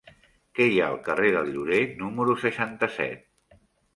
Què hi ha al carrer del Llorer número seixanta-set?